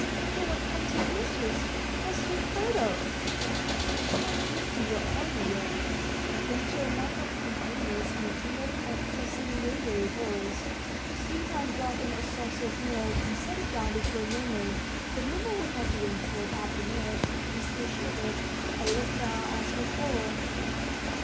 she won't come to her mistress. What's she afraid of?" "She's not used to your honor yet," ventured one of the companions in a timid and conciliatory voice. Stepan brought in a saucer of milk, and set it down before Mumu, but Mumu would not even sniff at the milk, and still shivered, and looked round as before.